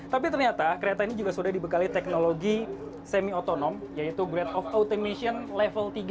tapi ternyata kereta ini juga sudah dibekali teknologi semi otonom yaitu grade of automation level tiga